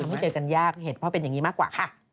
ไม่เจอกันยากเหตุเพราะเป็นอย่างนี้มากกว่าค่ะ